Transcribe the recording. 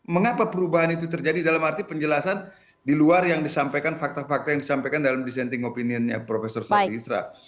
mengapa perubahan itu terjadi dalam arti penjelasan di luar yang disampaikan fakta fakta yang disampaikan dalam dissenting opinionnya prof saldi isra